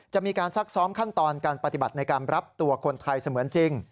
จะมีการซักซ้อมขั้นตอนการปฏิบัติในการรับตัวคนไทยเสมือนจริง